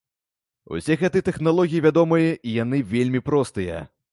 Усе гэтыя тэхналогіі вядомыя і яны вельмі простыя.